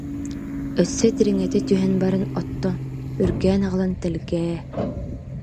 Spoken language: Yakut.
Өссө дириҥэтэ түһэн баран отто үргээн аҕалан тэлгээ